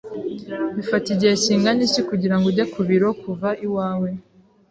Bifata igihe kingana iki kugirango ujye ku biro kuva iwawe?